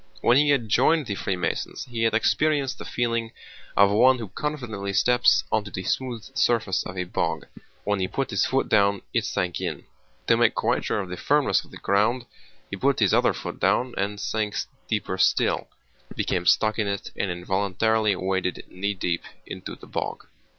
When he had joined the Freemasons he had experienced the feeling of one who confidently steps onto the smooth surface of a bog. When he put his foot down it sank in. To make quite sure of the firmness of the ground, he put his other foot down and sank deeper still, became stuck in it, and involuntarily waded knee deep in the bog.